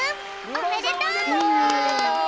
おめでとう！